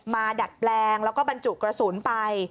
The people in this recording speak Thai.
ดัดแปลงแล้วก็บรรจุกระสุนไป